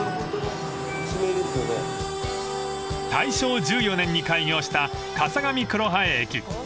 ［大正１４年に開業した笠上黒生駅］